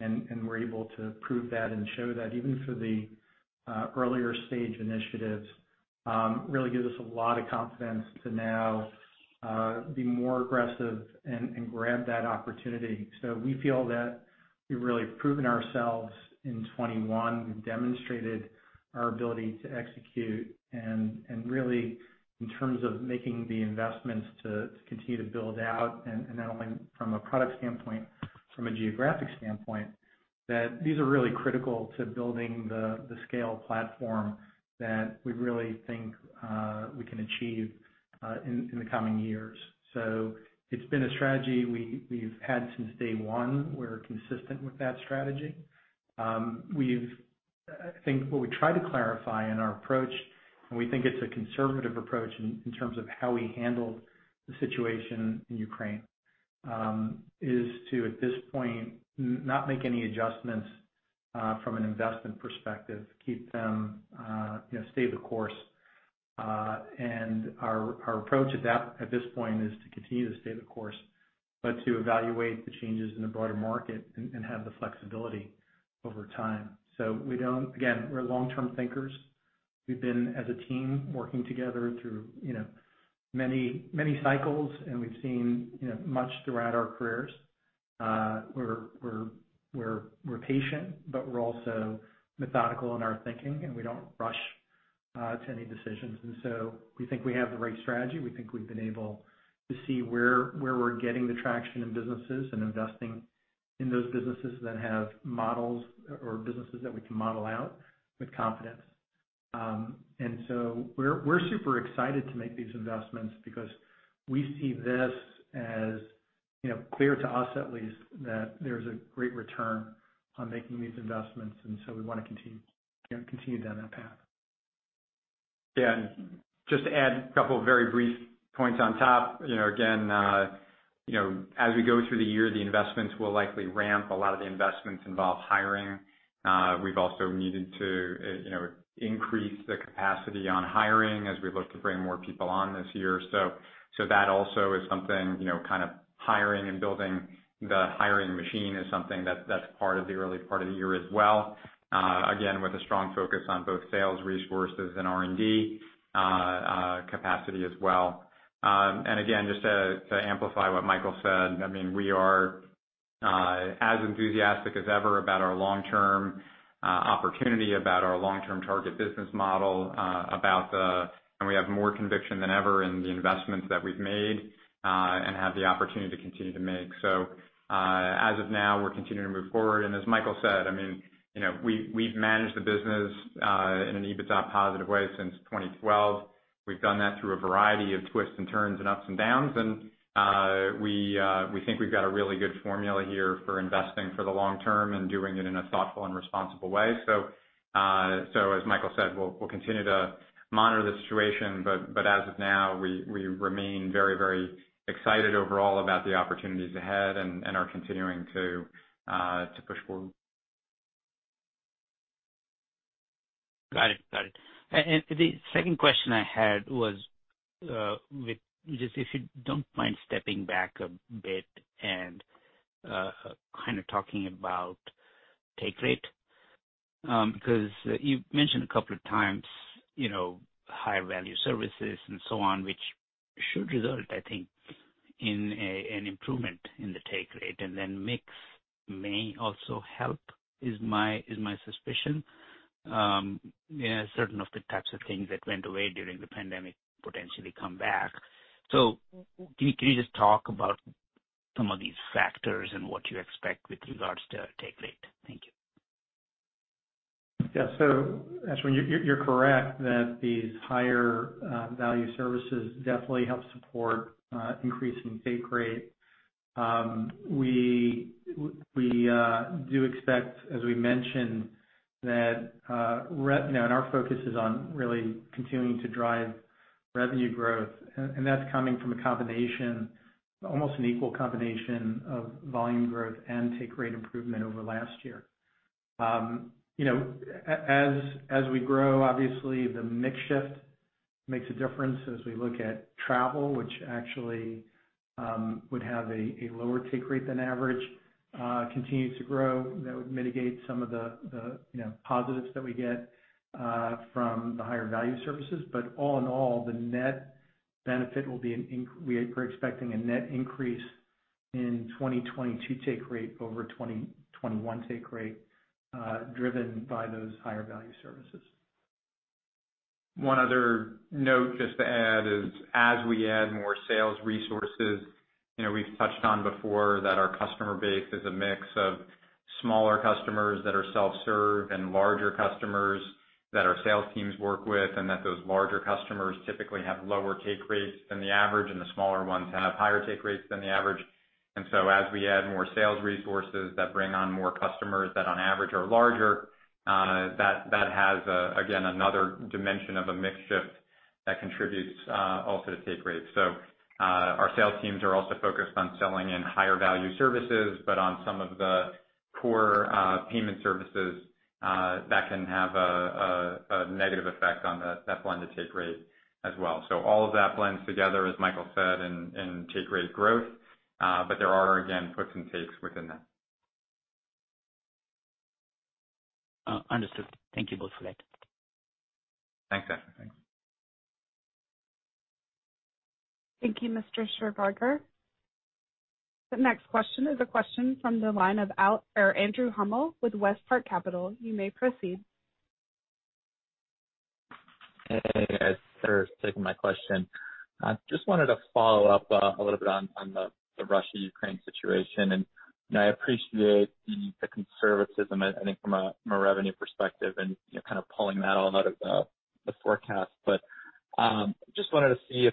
We're able to prove that and show that even for the earlier stage initiatives really gives us a lot of confidence to now be more aggressive and grab that opportunity. We feel that we've really proven ourselves in 2021. We've demonstrated our ability to execute and really in terms of making the investments to continue to build out, and not only from a product standpoint, from a geographic standpoint, that these are really critical to building the scale platform that we really think we can achieve in the coming years. It's been a strategy we've had since day one. We're consistent with that strategy. I think what we try to clarify in our approach, and we think it's a conservative approach in terms of how we handle the situation in Ukraine, is to at this point not make any adjustments from an investment perspective, keep them, you know, stay the course. Our approach at this point is to continue to stay the course, but to evaluate the changes in the broader market and have the flexibility over time. Again, we're long-term thinkers. We've been as a team working together through, you know, many cycles, and we've seen, you know, much throughout our careers. We're patient, but we're also methodical in our thinking and we don't rush to any decisions. We think we have the right strategy. We think we've been able to see where we're getting the traction in businesses and investing in those businesses that have models or businesses that we can model out with confidence. We're super excited to make these investments because we see this as, you know, clear to us at least, that there's a great return on making these investments, and so we wanna continue, you know, continue down that path. Yeah. Just to add a couple of very brief points on top, you know, again, you know, as we go through the year, the investments will likely ramp. A lot of the investments involve hiring. We've also needed to, you know, increase the capacity on hiring as we look to bring more people on this year. That also is something, you know, kind of hiring and building the hiring machine is something that's part of the early part of the year as well, again, with a strong focus on both sales resources and R&D capacity as well. Again, just to amplify what Michael said, I mean, we are as enthusiastic as ever about our long-term opportunity, about our long-term target business model, about the. We have more conviction than ever in the investments that we've made and have the opportunity to continue to make. As of now, we're continuing to move forward. As Michael said, I mean, you know, we've managed the business in an EBITDA positive way since 2012. We've done that through a variety of twists and turns and ups and downs, and we think we've got a really good formula here for investing for the long term and doing it in a thoughtful and responsible way. As Michael said, we'll continue to monitor the situation, but as of now, we remain very, very excited overall about the opportunities ahead and are continuing to push forward. Got it. And the second question I had was, just if you don't mind stepping back a bit and kind of talking about take rate, because you've mentioned a couple of times, you know, higher value services and so on, which should result, I think, in an improvement in the take rate. Mix may also help, is my suspicion. Certain of the types of things that went away during the pandemic potentially come back. Can you just talk about some of these factors and what you expect with regards to take rate? Thank you. Yeah. Ashwin, you're correct that these higher value services definitely help support increasing take rate. We do expect, as we mentioned, that you know, and our focus is on really continuing to drive revenue growth, and that's coming from a combination, almost an equal combination of volume growth and take rate improvement over last year. You know, as we grow, obviously the mix shift makes a difference as we look at travel, which actually would have a lower take rate than average continue to grow. That would mitigate some of the you know, positives that we get from the higher value services. All in all, the net benefit will be we are expecting a net increase in 2022 take rate over 2021 take rate, driven by those higher value services. One other note just to add is as we add more sales resources, you know, we've touched on before that our customer base is a mix of smaller customers that are self-serve and larger customers that our sales teams work with, and that those larger customers typically have lower take rates than the average, and the smaller ones have higher take rates than the average. As we add more sales resources that bring on more customers that on average are larger, that has again another dimension of a mix shift that contributes also to take rate. Our sales teams are also focused on selling in higher value services, but on some of the core payment services that can have a negative effect on the blended take rate as well. All of that blends together, as Michael said, in take rate growth. There are again, puts and takes within that. Understood. Thank you both for that. Thanks, Ash. Thanks. Thank you, Mr. Shirvaikar. The next question is a question from the line of Andrew Hummel with WestPark Capital. You may proceed. Hey, guys. Thanks for taking my question. I just wanted to follow up a little bit on the Russia-Ukraine situation. You know, I appreciate the conservatism I think from a revenue perspective and you know kind of pulling that all out of the forecast. Just wanted to see. You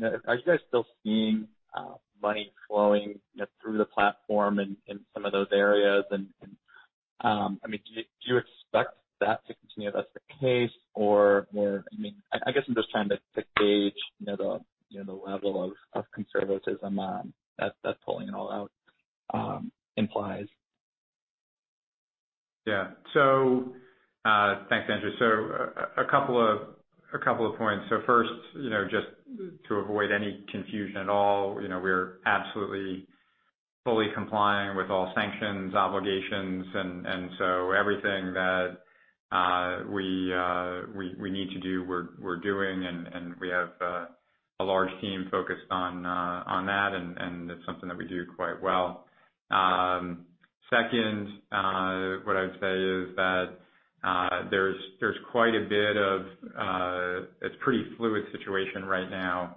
know, are you guys still seeing money flowing you know through the platform in some of those areas? I mean, do you expect that to continue if that's the case. I mean, I guess I'm just trying to gauge you know the level of conservatism that pulling it all out implies. Thanks, Andrew. A couple of points. First, you know, just to avoid any confusion at all, you know, we're absolutely fully complying with all sanctions, obligations, and so everything that we need to do, we're doing, and we have a large team focused on that and it's something that we do quite well. Second, what I would say is that there's quite a bit of. It's a pretty fluid situation right now.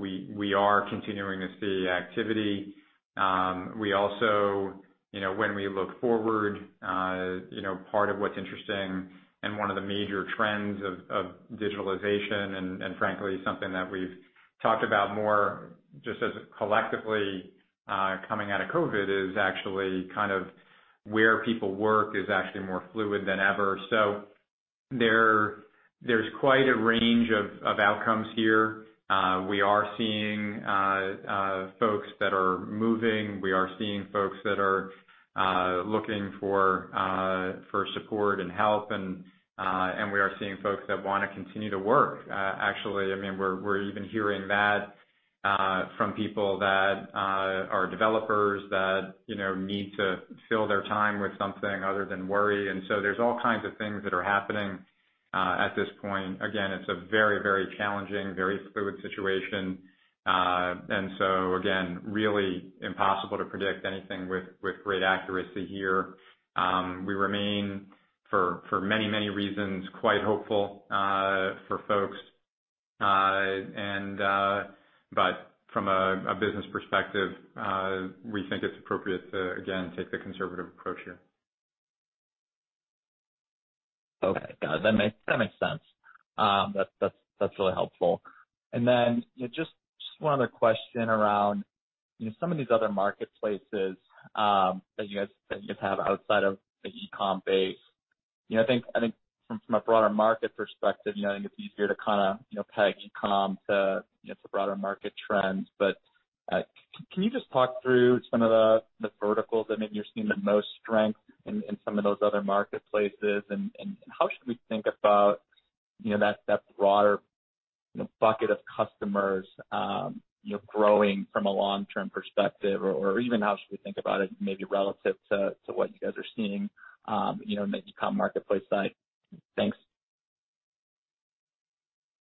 We are continuing to see activity. We also, you know, when we look forward, you know, part of what's interesting and one of the major trends of digitalization and frankly something that we've talked about more just as collectively, coming out of COVID is actually kind of where people work is actually more fluid than ever. So there's quite a range of outcomes here. We are seeing folks that are moving. We are seeing folks that are looking for support and help and we are seeing folks that wanna continue to work. Actually, I mean, we're even hearing that from people that are developers that, you know, need to fill their time with something other than worry. There's all kinds of things that are happening at this point. Again, it's a very, very challenging, very fluid situation. Again, really impossible to predict anything with great accuracy here. We remain for many, many reasons, quite hopeful for folks. From a business perspective, we think it's appropriate to again take the conservative approach here. Okay. Got it. That makes sense. That's really helpful. You know, just one other question around, you know, some of these other marketplaces that you guys have outside of the e-com base. You know, I think from a broader market perspective, you know, I think it's easier to kinda peg e-com to broader market trends. Can you just talk through some of the verticals that maybe you're seeing the most strength in some of those other marketplaces? How should we think about that broader bucket of customers growing from a long-term perspective? Even how should we think about it maybe relative to what you guys are seeing, you know, in the e-com marketplace side? Thanks.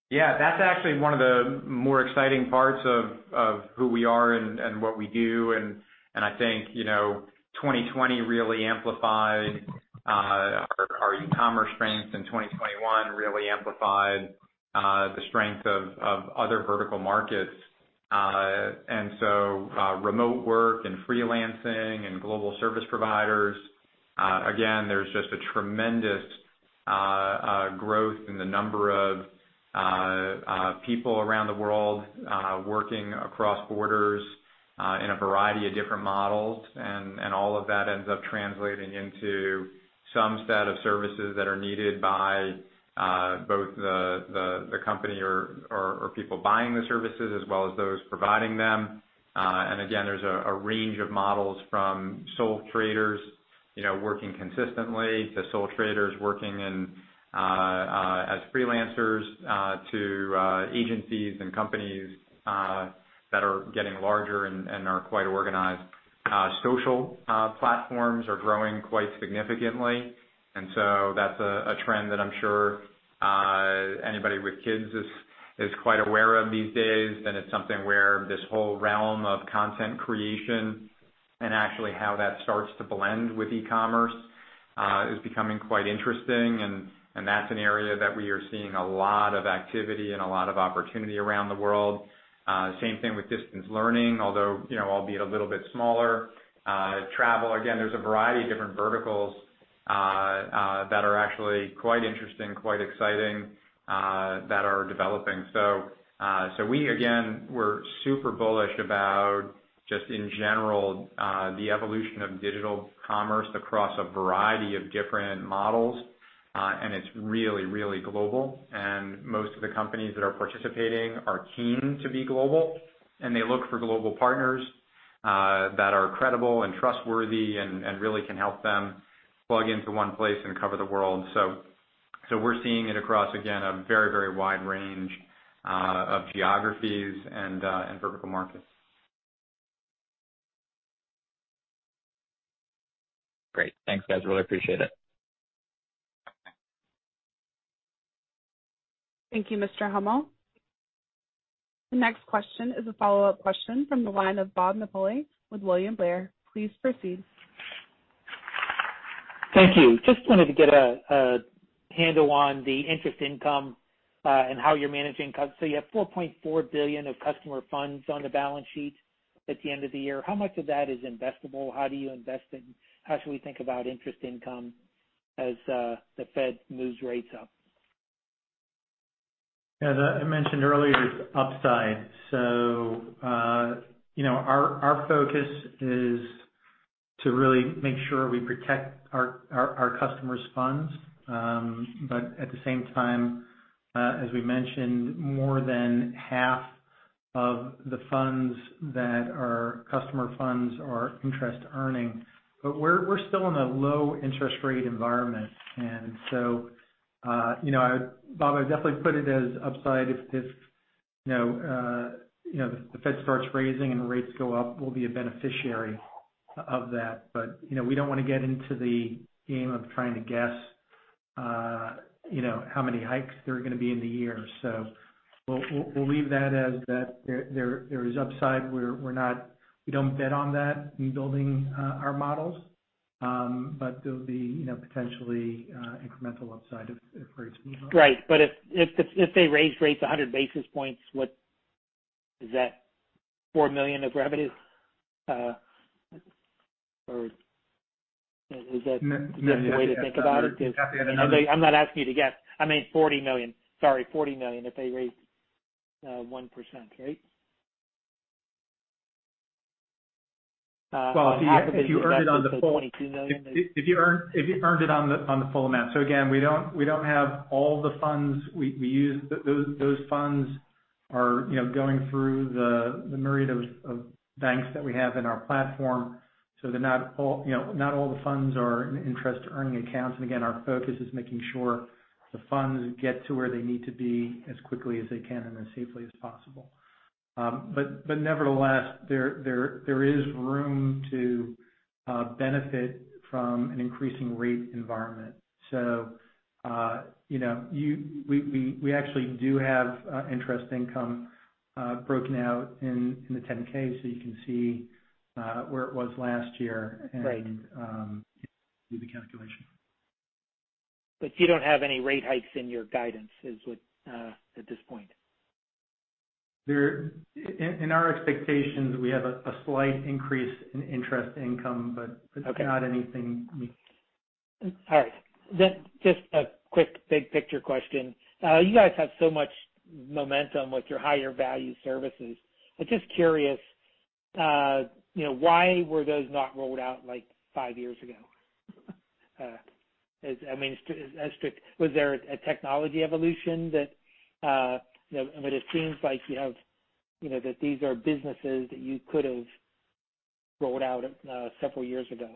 Yeah, that's actually one of the more exciting parts of who we are and what we do. I think, you know, 2020 really amplified our e-commerce strength, and 2021 really amplified the strength of other vertical markets. Remote work and freelancing and global service providers, again, there's just a tremendous growth in the number of people around the world working across borders in a variety of different models. All of that ends up translating into some set of services that are needed by both the company or people buying the services as well as those providing them. There's a range of models from sole traders, you know, working consistently to sole traders working in as freelancers, to agencies and companies that are getting larger and are quite organized. Social platforms are growing quite significantly, and so that's a trend that I'm sure anybody with kids is quite aware of these days. It's something where this whole realm of content creation and actually how that starts to blend with e-commerce is becoming quite interesting. That's an area that we are seeing a lot of activity and a lot of opportunity around the world. Same thing with distance learning, although, you know, albeit a little bit smaller. Travel, again, there's a variety of different verticals that are actually quite interesting, quite exciting that are developing. We again, we're super bullish about just in general, the evolution of digital commerce across a variety of different models. It's really, really global. Most of the companies that are participating are keen to be global, and they look for global partners that are credible and trustworthy and really can help them plug into one place and cover the world. We're seeing it across, again, a very, very wide range of geographies and vertical markets. Great. Thanks guys, really appreciate it. Thank you, Mr. Hummel. The next question is a follow-up question from the line of Bob Napoli with William Blair. Please proceed. Thank you. Just wanted to get a handle on the interest income and how you're managing costs. You have $4.4 billion of customer funds on the balance sheet at the end of the year. How much of that is investable? How do you invest it? And how should we think about interest income as the Fed moves rates up? As I mentioned earlier, it's upside. You know, our focus is to really make sure we protect our customers' funds. At the same time, as we mentioned, more than half of the funds that are customer funds are interest earning. We're still in a low interest rate environment. You know, I would, Bob, I'd definitely put it as upside if you know, the Fed starts raising and the rates go up, we'll be a beneficiary of that. You know, we don't wanna get into the game of trying to guess you know, how many hikes there are gonna be in the year. We'll leave that as that. There is upside. We're not. We don't bet on that in building our models. There'll be, you know, potentially, incremental upside if rates move up. Right. If they raise rates 100 basis points, what is that $4 million of revenue? Or is that- No. A good way to think about it 'cause Happy to get another. I'm not asking you to guess. I mean $40 million. Sorry, $40 million if they raise 1%, right? Well, if you earned it on the full- Half a basis, so $22 million. If you earned it on the full amount. So again, we don't have all the funds we use. Those funds are, you know, going through the myriad of banks that we have in our platform. So they're not all, you know, in interest earning accounts. Our focus is making sure the funds get to where they need to be as quickly as they can and as safely as possible. Nevertheless, there is room to benefit from an increasing rate environment. You know, we actually do have interest income broken out in the 10-K, so you can see where it was last year and Right. Do the calculation. You don't have any rate hikes in your guidance, is what at this point. In our expectations, we have a slight increase in interest income, but it's- Okay. Not anything we All right. Just a quick big picture question. You guys have so much momentum with your higher value services. I'm just curious, you know, why were those not rolled out like five years ago? Was there a technology evolution that, you know, I mean, it seems like you have, you know, that these are businesses that you could've rolled out several years ago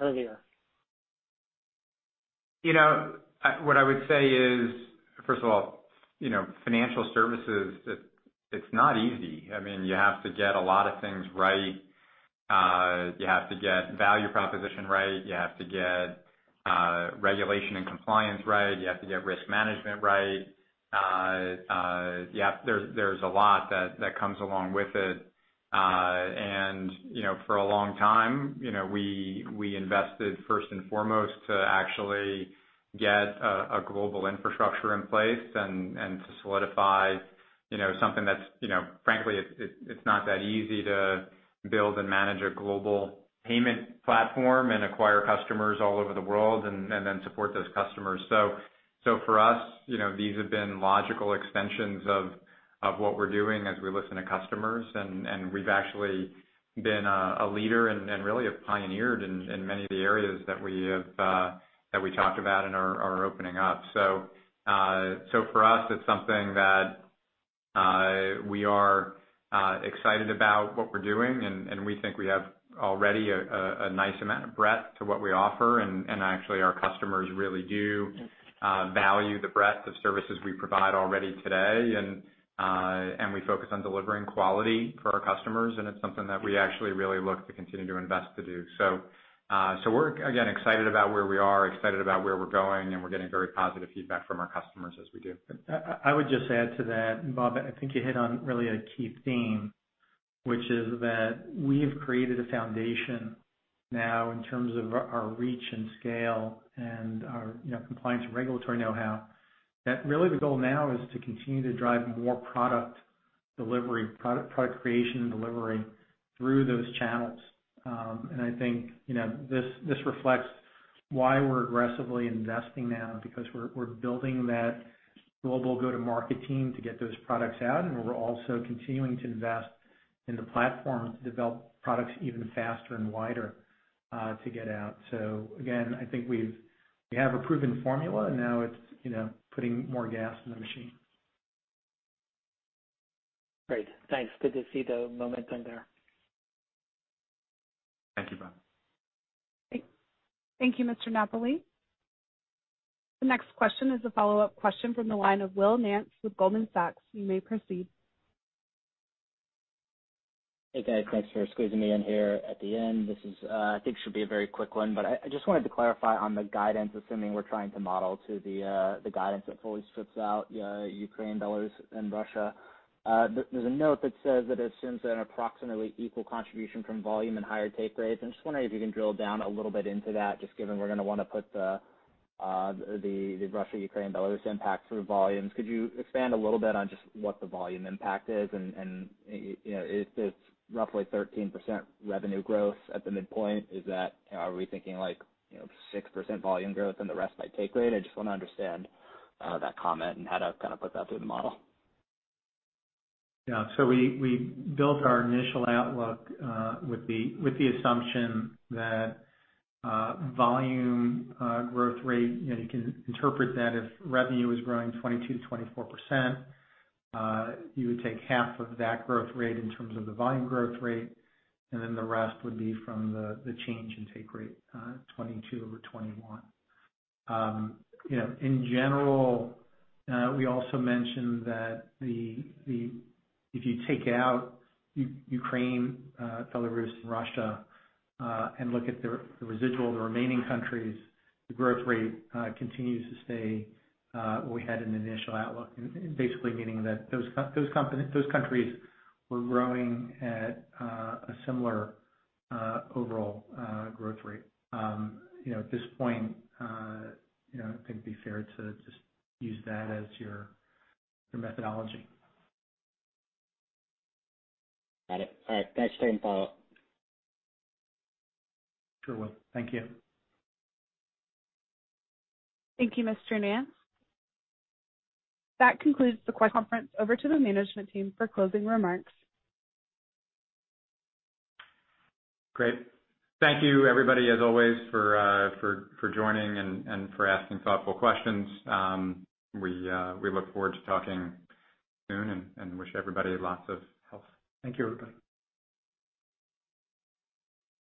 earlier. You know, what I would say is, first of all, you know, financial services, it's not easy. I mean, you have to get a lot of things right. You have to get value proposition right. You have to get regulation and compliance right. You have to get risk management right. There's a lot that comes along with it. You know, for a long time, you know, we invested first and foremost to actually get a global infrastructure in place and to solidify, you know, something that's, you know, frankly it's not that easy to build and manage a global payment platform and acquire customers all over the world and then support those customers. For us, you know, these have been logical extensions of what we're doing as we listen to customers and we've actually been a leader and really have pioneered in many of the areas that we have that we talked about and are opening up. For us, it's something that we are excited about what we're doing, and we think we have already a nice amount of breadth to what we offer. Actually our customers really do value the breadth of services we provide already today. We focus on delivering quality for our customers, and it's something that we actually really look to continue to invest to do. We're again excited about where we are, excited about where we're going, and we're getting very positive feedback from our customers as we do. I would just add to that, Bob. I think you hit on really a key theme, which is that we've created a foundation now in terms of our reach and scale and our, you know, compliance and regulatory know-how. That really the goal now is to continue to drive more product delivery, product creation and delivery through those channels. I think, you know, this reflects why we're aggressively investing now because we're building that global go-to-market team to get those products out, and we're also continuing to invest in the platform to develop products even faster and wider, to get out. Again, I think we have a proven formula, and now it's, you know, putting more gas in the machine. Great. Thanks. Good to see the momentum there. Thank you, Bob. Thank you, Mr. Napoli. The next question is a follow-up question from the line of Will Nance with Goldman Sachs. You may proceed. Hey, guys. Thanks for squeezing me in here at the end. This is, I think, a very quick one, but I just wanted to clarify on the guidance, assuming we're trying to model to the guidance that fully strips out Ukraine, Belarus and Russia. There's a note that says that assumes an approximately equal contribution from volume and higher take rates. I'm just wondering if you can drill down a little bit into that, just given we're gonna wanna put the Russia, Ukraine, Belarus impact through volumes. Could you expand a little bit on just what the volume impact is? And you know, it's roughly 13% revenue growth at the midpoint. Is that? Are we thinking like, you know, 6% volume growth and the rest by take rate? I just wanna understand, that comment and how to kind of put that through the model. We built our initial outlook with the assumption that volume growth rate, you know, you can interpret that if revenue is growing 22%-24%, you would take half of that growth rate in terms of the volume growth rate, and then the rest would be from the change in take rate, 2022 over 2021. You know, in general, we also mentioned that if you take out Ukraine, Belarus and Russia, and look at the residual, the remaining countries, the growth rate continues to stay where we had an initial outlook. Basically meaning that those countries were growing at a similar overall growth rate. You know, at this point, you know, I think it'd be fair to just use that as your methodology. Got it. All right. Thanks. Standby. Sure, Will. Thank you. Thank you, Mr. Nance. That concludes the conference. Over to the management team for closing remarks. Great. Thank you everybody as always for joining and for asking thoughtful questions. We look forward to talking soon and wish everybody lots of health. Thank you, everybody.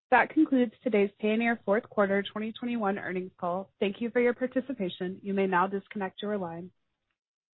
That concludes today's Payoneer fourth quarter 2021 earnings call. Thank you for your participation. You may now disconnect your line.